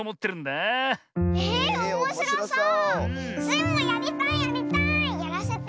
スイもやりたいやりたい！